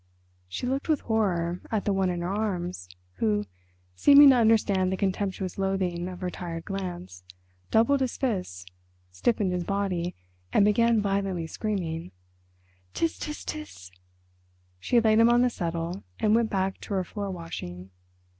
She looked with horror at the one in her arms, who, seeming to understand the contemptuous loathing of her tired glance, doubled his fists, stiffened his body, and began violently screaming. "Ts—ts—ts." She laid him on the settle and went back to her floor washing.